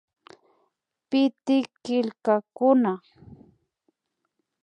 Pitik killkakuna